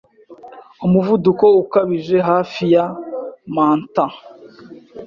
umuvuduko ukabije hafi ya mantant